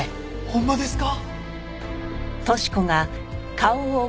ほんまですか！？